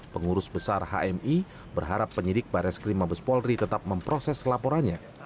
pengurus besar hmi berharap penyidik baris krim mabes polri tetap memproses laporannya